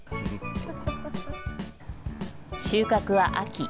収穫は秋。